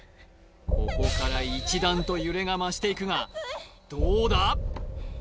ここから一段と揺れが増していくがどうだ？